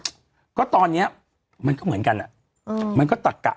ใครไปวัดอ่ะก็ตอนเนี้ยมันก็เหมือนกันอ่ะอืมมันก็ตะกะ